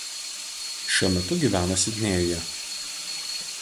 Šiuo metu gyvena Sidnėjuje.